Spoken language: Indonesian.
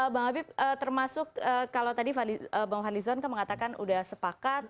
bang habib termasuk kalau tadi bang fadlizon kan mengatakan sudah sepakat